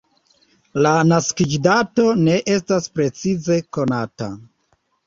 La naskiĝdato ne estas precize konata.